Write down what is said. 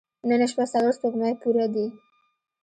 نن شپه څلور سپوږمۍ پوره دي.